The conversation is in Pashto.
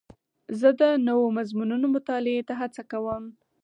زه د نوو مضمونونو مطالعې ته هڅه کوم.